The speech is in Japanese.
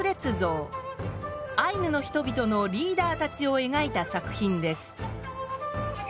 ３アイヌの人々のリーダーたちを描いた作品です。